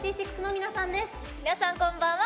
皆さん、こんばんは。